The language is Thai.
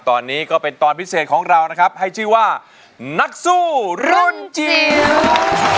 ตอนนี้ก็เป็นตอนพิเศษของเรานะครับให้ชื่อว่านักสู้รุ่นจิ๋ว